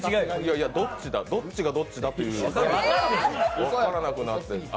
いやどっちだ、どっちがどっちか分からなくなってる。